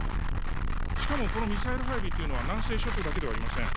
しかもこのミサイル配備というのは南西諸島だけではありません。